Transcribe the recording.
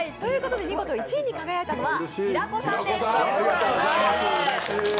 見事１位に輝いたのは平子さんです。